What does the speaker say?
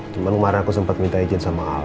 cuma kemarin aku sempat minta izin sama al